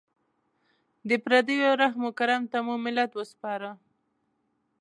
د پردیو رحم و کرم ته مو ملت وسپاره.